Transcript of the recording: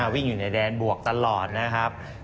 วิ่งอยู่ในแดนบวกตลอดนะครับ